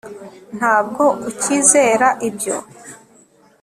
ntabwo ucyizera ibyo